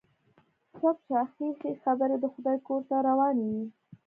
چپ شه، ښې ښې خبرې د خدای کور ته روانه يې.